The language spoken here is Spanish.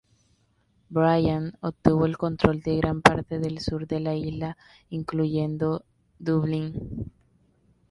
Brian obtuvo el control de gran parte del sur de la isla incluyendo Dublín.